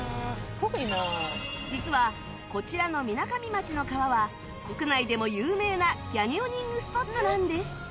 実はこちらのみなかみ町の川は国内でも有名なキャニオニングスポットなんです